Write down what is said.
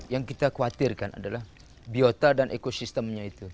yang kita khawatirkan adalah biota dan ekosistemnya itu